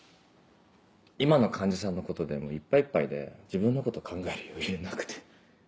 今の患者さんのことでいっぱいいっぱいで自分のこと考える余裕なくて。